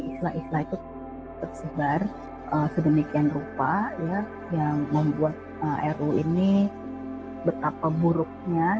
istilah istilah itu tersebar sedemikian rupa yang membuat ru ini betapa buruknya